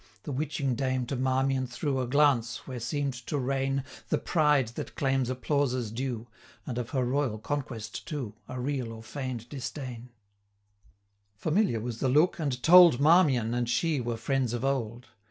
The witching dame to Marmion threw A glance, where seem'd to reign The pride that claims applauses due, And of her royal conquest too, 370 A real or feign'd disdain: Familiar was the look, and told, Marmion and she were friends of old.